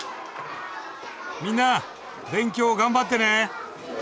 みんな勉強頑張ってね！